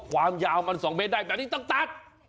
ความยาวมัน๒เมตรได้แต่นั้นมันนี่ต้องตัด